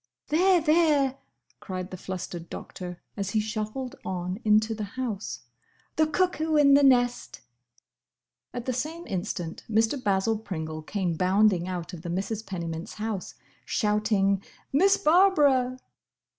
"There, there!" cried the flustered Doctor, as he shuffled on into the house, "the cuckoo in the nest!" At the same instant Mr. Basil Pringle came bounding out of the Misses Pennymint's house, shouting, "Miss Barbara!"